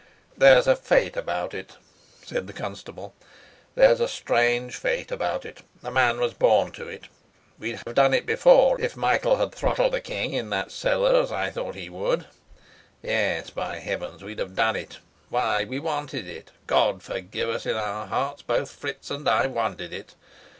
"There's a fate about it," said the constable. "There's a strange fate about it. The man was born to it. We'd have done it before if Michael had throttled the king in that cellar, as I thought he would. Yes, by heavens, we'd have done it! Why, we wanted it! God forgive us, in our hearts both Fritz and I wanted it.